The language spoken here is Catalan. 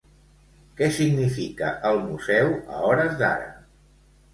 Què significa el Museu a hores d'ara?